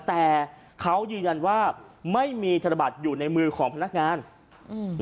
แต่เขายืนยันว่าไม่มีธนบัตรอยู่ในมือของพนักงานอืม